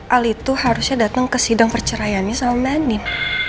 al itu harusnya datang ke sidang perceraiannya sama menin